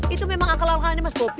itu memang akal akal ini mas bobby